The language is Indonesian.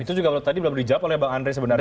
itu juga tadi belum dijawab oleh bang andri sebenarnya